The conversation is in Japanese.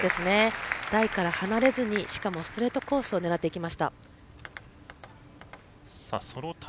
台から離れずにしかもストレートコースを狙っていきました。